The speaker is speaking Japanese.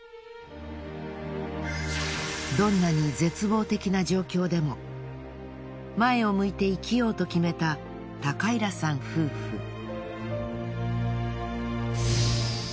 どんなに絶望的な状況でも前を向いて生きようと決めた高井良さん夫婦。